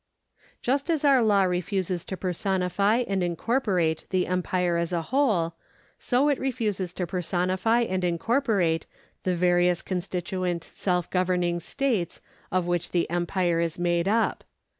Just as our law refuses to personify and incorporate the empire as a whole, so it refuses to personify and incorporate the various constituent self governing states of which the empire is made up.